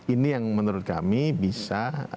ini yang menurut kami bisa